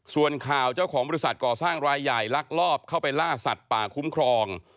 ส่วนข่าวเจ้าของบริษัทก่อสร้างรายใหญ่ลักลอบเข้าไปล่าสัตว์ป่าคุ้มครอง